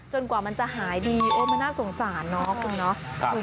จนกว่ามันจะหายดีโอ๊ยมันน่าสงสารนะคุณ